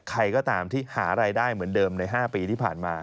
ใครก็ตามที่หารายได้เหมือนเดิมใน๕ปีที่ผ่านมา